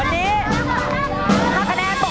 เยอะโคนระทำ